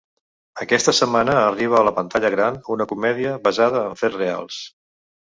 Aquesta setmana arriba a la pantalla gran una comèdia basada en fets reals.